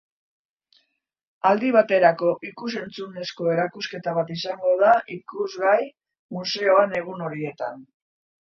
Aldi baterako ikus-entzunezko erakusketa bat izango da ikusgai museoan egun horietan.